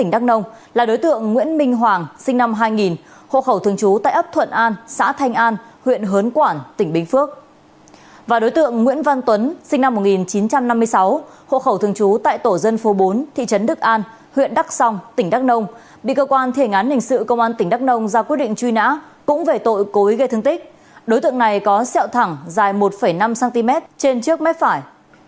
đối tượng này có xẹo thẳng dài một năm cm trên trước mép phải